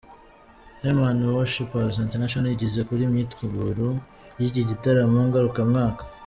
Heman worshipers International igeze kure imyiteguro y'iki gitaramo ngarukamwaka.